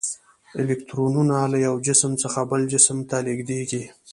الکترونونه له یو جسم څخه بل جسم ته لیږدیږي.